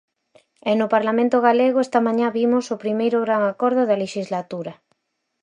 E no Parlamento galego, esta mañá vimos o primeiro gran acordo da lexislatura.